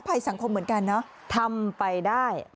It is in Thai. ภัยสังคมเหมือนกันเนอะทำไปได้